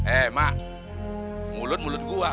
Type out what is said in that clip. eh mak mulut mulut gua